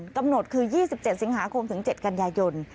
กำหนดคือ๒๗สิงหาคมถึง๗กันยายน